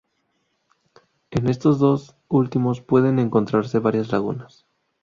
En estos dos últimos pueden encontrarse varias lagunas.